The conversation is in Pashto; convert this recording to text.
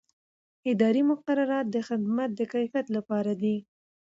اداري مقررات د خدمت د کیفیت لپاره دي.